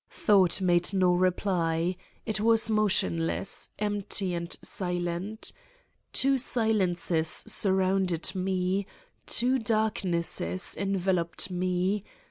Thought made no reply. It was motionless, empty and silent. Two silences surrounded Me, two darknesses enveloped me.